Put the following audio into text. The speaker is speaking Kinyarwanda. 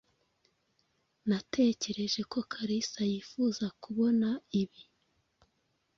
Natekereje ko Kalisa yifuza kubona ibi.